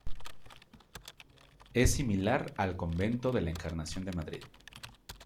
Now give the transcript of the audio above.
Es similar al Convento de la Encarnación de Madrid.